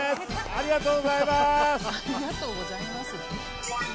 ありがとうございます。